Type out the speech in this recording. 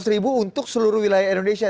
dua ratus ribu untuk seluruh wilayah indonesia